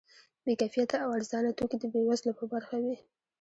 بې کیفیته او ارزانه توکي د بې وزلو په برخه وي.